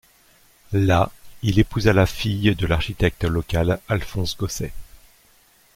Là, il épousa la fille de l'architecte local Alphonse Gosset.